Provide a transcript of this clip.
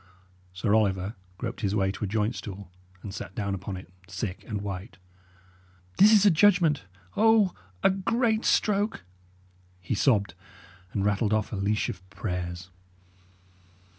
Sir Oliver groped his way to a joint stool, and sat down upon it, sick and white. "This is a judgment! O, a great stroke!" he sobbed, and rattled off a leash of prayers.